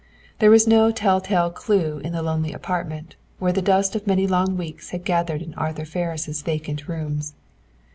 There was no tell tale clue in the lonely apartment, where the dust of many long weeks had gathered in Arthur Ferris' vacant rooms.